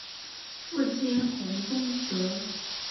父亲洪宗德。